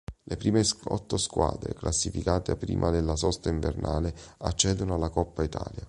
Le prime otto squadre classificate prima della sosta invernale accedono alla Coppa Italia.